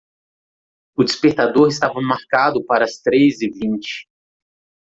O despertador estava marcado para as três e vinte.